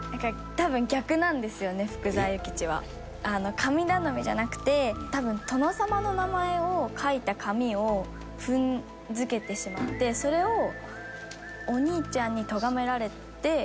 神頼みじゃなくて多分殿様の名前を書いた紙を踏ん付けてしまってそれをお兄ちゃんにとがめられて。